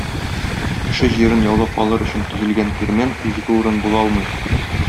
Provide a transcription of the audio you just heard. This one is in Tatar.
Кеше җирен яулап алыр өчен төзелгән кирмән изге урын була алмый!